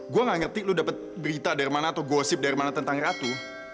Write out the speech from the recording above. gue gak ngerti lu dapat berita dari mana atau gosip dari mana tentang ratu